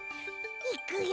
いくよ！